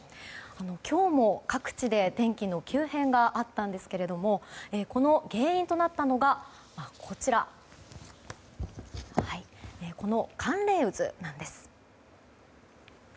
今日も各地で天気の急変があったんですけれどもこの原因となったのが寒冷渦なんです。